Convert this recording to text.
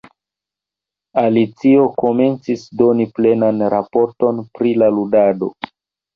Alicio komencis doni plenan raporton pri la ludado.